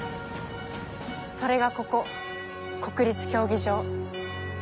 それがここ、国立競技場。